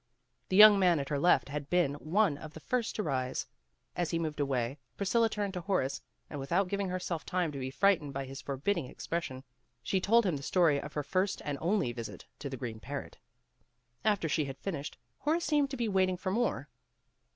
The young man at her left had been one of the first to rise. As he moved away, Priscilla turned to Horace, and without giving herself time to be frightened by his forbidding expres sion, she told him the story of her first and only visit to the Green Parrot. After she had fiinished, Horace seemed to be waiting for more.